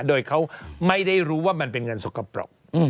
โดยเขาไม่ได้รู้ว่ามันเป็นเงินสกปรก